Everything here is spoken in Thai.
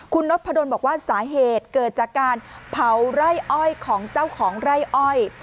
คุณนพดลบอกว่าสาเหตุเกิดจากการเผาไร่อ้อยของเจ้าของไร่อ้อย